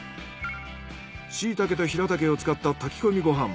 シイタケとヒラタケを使った炊き込みご飯。